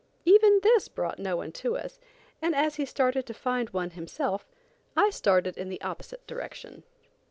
Even this brought no one to us, and as he started to find one himself, I started in the opposite direction.